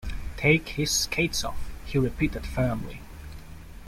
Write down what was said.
‘Take his skates off,’ he repeated firmly.